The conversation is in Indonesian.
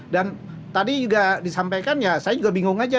dan tadi juga disampaikan ya saya juga bingung saja